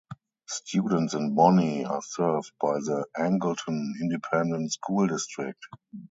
Students in Bonney are served by the Angleton Independent School District.